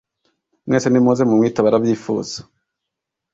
Mwese nimuze mumwitabe arabifuza